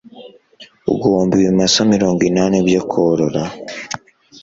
Ugomba ibimasa mirongo inani byo korora